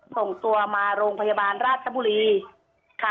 ส่งตัวมาโรงพยาบาลราชบุรีค่ะ